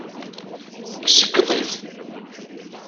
Isekkeḍ-it.